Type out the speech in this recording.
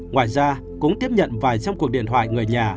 ngoài ra cũng tiếp nhận vài trăm cuộc điện thoại người nhà